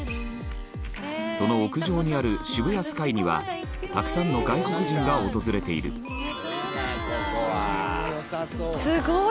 その屋上にあるＳＨＩＢＵＹＡＳＫＹにはたくさんの外国人が訪れているすごい！